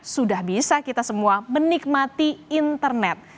sudah bisa kita semua menikmati internet